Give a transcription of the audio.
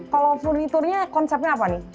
kalau furniturnya konsepnya apa nih